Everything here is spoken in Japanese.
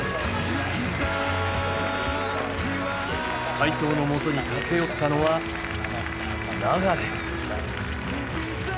齋藤のもとに駆け寄ったのは流。